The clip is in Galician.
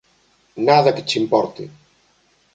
Nada que che importe.